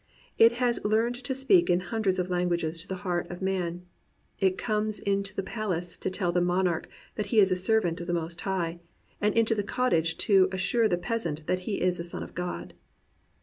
It has learned to speak in hundreds of languages to the heart of man. It comes into the pal ace to tell the monarch thai he is a servant of the Most High, and into the cottage to assure the peasant that he is a son of God.